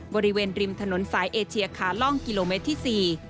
บริเวณริมถนนสายเอเชียขาล่องกิโลเมตรที่๔